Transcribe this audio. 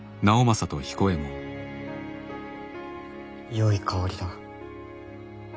よい香りだ。